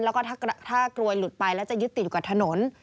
แล้วก็ถ้ากลวยหลุดไปแล้วจะยึดติดอยู่กับถนน